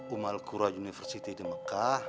umal kura university di mekah